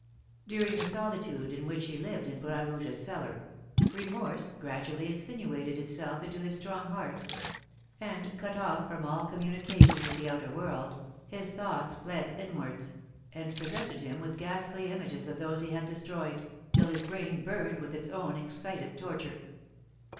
During the solitude in which he lived in Bras Rouge's cellar, remorse gradually insinuated itself into his strong heart; and, cut off from all communication with the outer world, his thoughts fled inwards, and presented him with ghastly images of those he had destroyed, till his brain burned with its own excited torture.